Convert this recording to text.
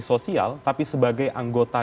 sosial tapi sebagai anggota